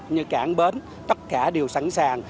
như cảng bến tất cả đều sẵn sàng